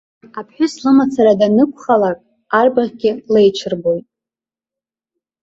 Аԥҳәыс лымацара данықәхалак арбаӷьгьы леиҽырбоит!